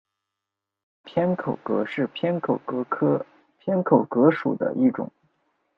日本偏口蛤是偏口蛤科偏口蛤属的一种。